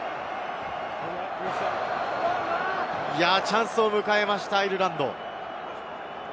チャンスを迎えましたアイルランド。